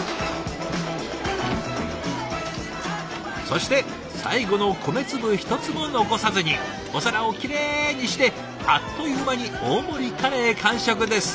そして最後の米粒一つも残さずにお皿をきれいにしてあっという間に大盛りカレー完食です。